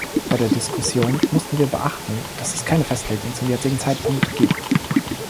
Bei der Diskussion mussten wir beachten, dass es keine Festlegung zum jetzigen Zeitpunkt gibt.